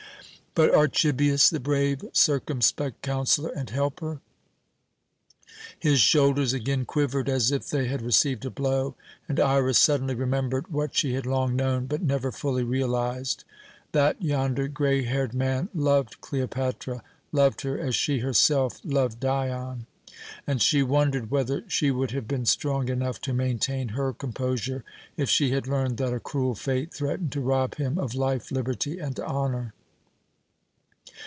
But Archibius, the brave, circumspect counsellor and helper? His shoulders again quivered as if they had received a blow, and Iras suddenly remembered what she had long known, but never fully realized that yonder grey haired man loved Cleopatra, loved her as she herself loved Dion; and she wondered whether she would have been strong enough to maintain her composure if she had learned that a cruel fate threatened to rob him of life, liberty, and honour.